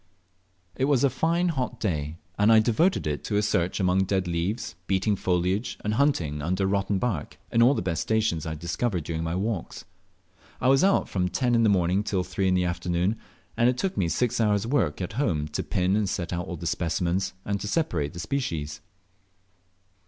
It was a fine hot day, and I devoted it to a search among dead leaves, beating foliage, and hunting under rotten bark, in all the best stations I had discovered during my walks. I was out from ten in the morning till three in the afternoon, and it took me six hours' work at home to pin and set out all the specimens, and to separate the species.